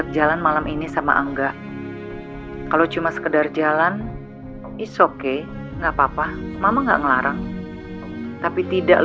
baik pak bos pak